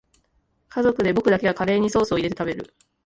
家族で僕だけがカレーにソースいれて食べる